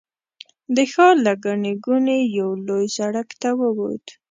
د ښار له ګڼې ګوڼې یوه لوی سړک ته ووت.